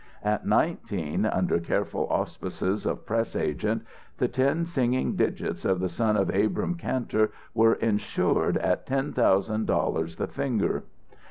At nineteen, under careful auspices of press agent, the ten singing digits of the son of Abrahm Kantor were insured at ten thousand dollars the finger.